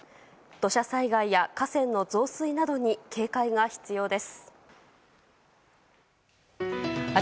土砂災害や河川の増水などに警戒が必要です。